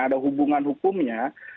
ada hubungan hukumnya